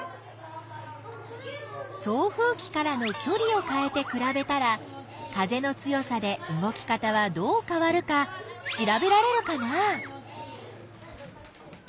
送風きからのきょりをかえてくらべたら風の強さで動き方はどうかわるかしらべられるかな？